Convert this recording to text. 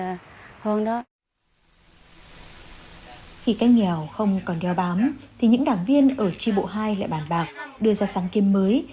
khi nghèo không còn đeo bám thì những đảng viên ở tri bộ hai lại bàn bạc đưa ra sáng kiếm mới